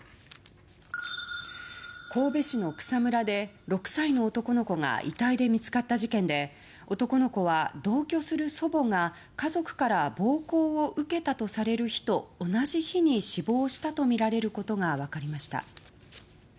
神戸市の草むらで６歳の男の子が遺体で見つかった事件で男の子は、同居する祖母が家族から暴行を受けたとされる日と同じ日に死亡したとみられることが分かりました。